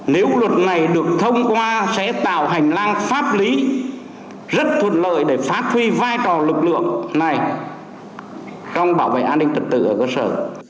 nếu luật này được thông qua sẽ tạo hành lang pháp lý rất thuận lợi để phát huy vai trò lực lượng này trong bảo vệ an ninh trật tự ở cơ sở